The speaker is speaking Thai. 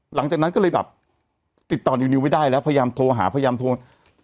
หลังจากนั้นก็เลยแบบติดต่อนิวไม่ได้แล้วพยายามโทรหาพยายามโทร